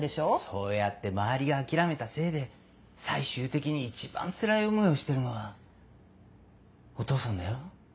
そうやって周りが諦めたせいで最終的に一番つらい思いをしてるのはお義父さんだよ？